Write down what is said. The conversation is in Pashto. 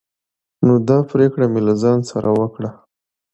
نو دا پريکړه مې له ځان سره وکړه